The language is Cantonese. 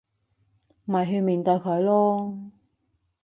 咪去面對佢囉